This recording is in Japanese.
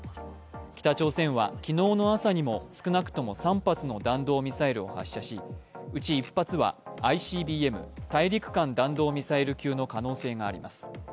北朝鮮は昨日の朝にも少なくとも３発の弾道ミサイルを発射しうち１発はＩＣＢＭ＝大陸間弾道ミサイル級の可能性があります。